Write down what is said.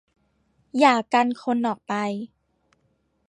อย่ากันคนออกไป